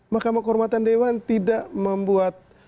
mahkamah kehormatan dewan tidak membuat